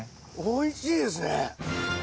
おいしいですね！